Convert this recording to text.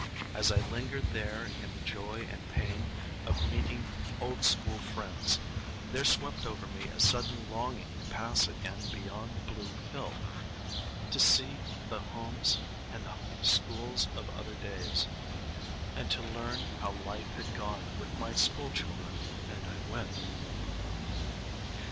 As I lingered there in the joy and pain of meeting old school friends, there swept over me a sudden longing to pass again beyond the blue hill, and to see the homes and the school of other days, and to learn how life had gone with my school children; and I went.